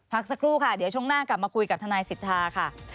พักสักครู่ค่ะเดี๋ยวช่วงหน้ากลับมาคุยกับทนายสิทธาค่ะ